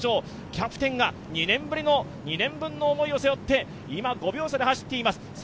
キャプテンが２年ぶりの、２年分の思いを背負って今５秒差で走っています。